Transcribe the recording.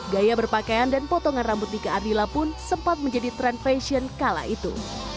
gaya berpakaian dan potongan rambut nika ardila pun sempat menjadi tren fashion kala itu